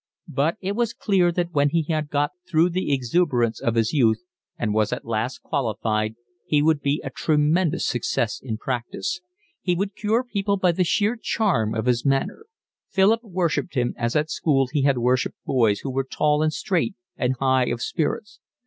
But it was clear that when he had got through the exuberance of his youth, and was at last qualified, he would be a tremendous success in practice. He would cure people by the sheer charm of his manner. Philip worshipped him as at school he had worshipped boys who were tall and straight and high of spirits.